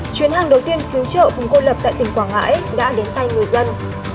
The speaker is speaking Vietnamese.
chuyến hàng đầu tiên cứu trợ vùng cô lập tại tỉnh quảng ngãi đã đến tay người dân